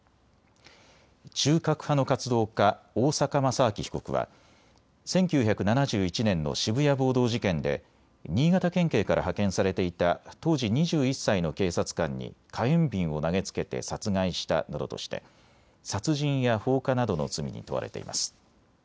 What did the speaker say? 中核派の活動家、大坂正明被告は１９７１年の渋谷暴動事件で新潟県警から派遣されていた当時２１歳の警察官に火炎瓶を投げつけて殺害したなどとして殺人や放火などの罪に問われています。